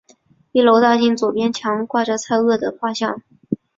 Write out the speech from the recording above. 一楼大厅左边墙上挂着蔡锷画像。